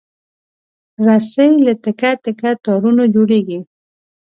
رسۍ له تکه تکه تارونو جوړېږي.